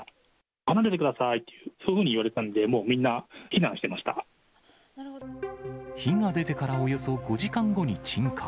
離れてくださいと、そういうふうに言われたんで、もうみんな避難火が出てからおよそ５時間後に鎮火。